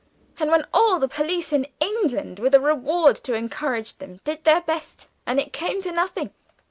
And when all the police in England (with a reward to encourage them) did their best, and it came to nothing!"